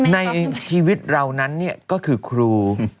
ในชีวิตเรานั้นก็คือครู